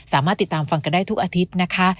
สามารถติดตามฟังกันได้ทุกอาทิตย์นะคะ